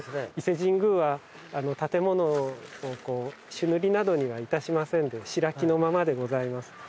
伊勢神宮は建物を朱塗りなどにはいたしませんで白木のままでございます。